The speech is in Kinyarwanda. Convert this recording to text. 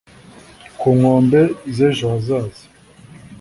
Ku nkombe z'ejo hazaza